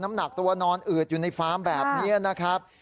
น้ำหนักตัวนอนอืดอยู่ในฟาร์มแบบนี้นะครับ